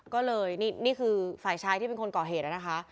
ก็เลยนี่คือฝ่ายชายที่เป็นคนก่อเหตุนะคะ